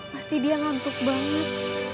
pasti dia ngantuk banget